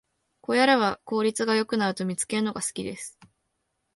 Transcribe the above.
こうやれば効率が良くなると見つけるのが好きです